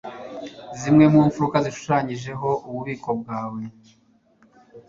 Imwe mu mfuruka zishushanyijeho ububiko bwawe